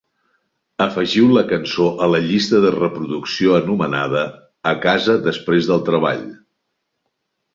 Afegiu la cançó a la llista de reproducció anomenada "A casa després del treball".